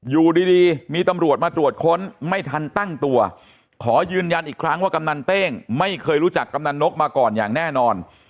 อยู่ดีมีตำรวจมาตรวจค้นไม่ทันตั้งตัวขอยืนยันอีกครั้งว่ากำนันเต้งไม่เคยรู้จักกำนันนกมาก่อนอย่างแน่นอน